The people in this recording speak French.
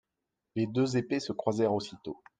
Les deux épées se croisèrent aussitôt.